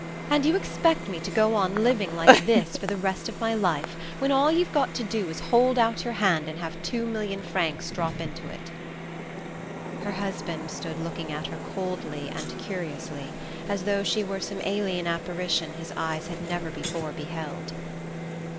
And you expect me to go on living like this for the rest of my life, when all you've got to do is to hold out your hand and have two million francs drop into it!" Her husband stood looking at her coldly and curiously, as though she were some alien apparition his eyes had never before beheld.